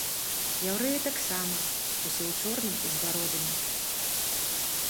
Яўрэі таксама ўсе ў чорным і з бародамі!